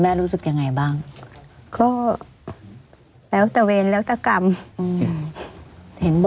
ไม่มีครับไม่มีครับ